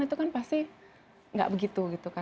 itu kan pasti nggak begitu